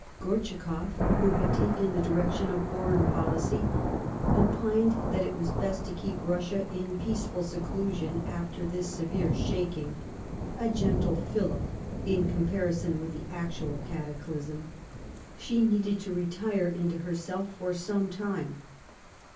Gortschakoff, who had taken the direction of Foreign PoUcy, opined that it was best to keep Russia in peaceful seclusion after this severe shaking — a gentle fillip in comparison with the actual cataclysm — she needed to retire into herself for some time.